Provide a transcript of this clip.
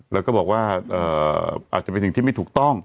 แล้วก็บอกว่าอาจจะเป็นสิ่งที่ไม่ถูกต้อง